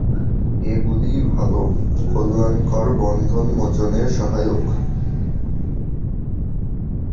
এগুলিই ভাল এবং কল্যাণকর, বন্ধন-মোচনের সহায়ক।